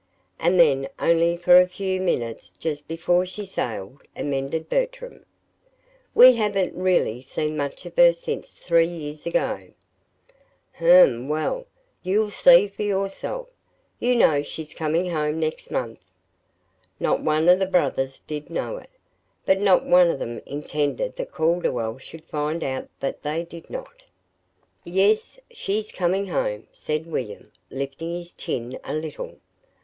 "And then only for a few minutes just before she sailed," amended Bertram. "We haven't really seen much of her since three years ago." "Hm m; well, you'll see for yourself soon. You know she's coming home next month." Not one of the brothers did know it but not one of them intended that Calderwell should find out that they did not. "Yes, she's coming home," said William, lifting his chin a little.